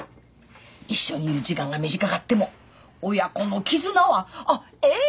一緒にいる時間が短かっても親子の絆はあっ永遠や！